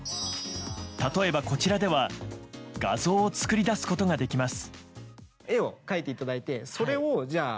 例えば、こちらでは画像を作り出すことができます。